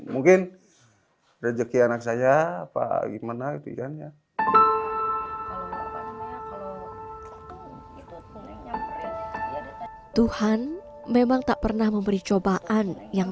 mungkin rezeki anak saya apa gimana gitu kan ya tuhan memang tak pernah memberi cobaan yang